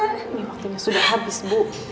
ini waktunya sudah habis bu